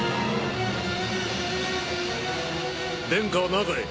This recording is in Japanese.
殿下は中へ。